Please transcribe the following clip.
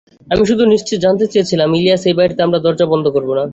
আমি শুধু নিশ্চিত জানতে চেয়েছিলাম ইলিয়াস, এই বাড়িতে আমরা দরজা বন্ধ করব না।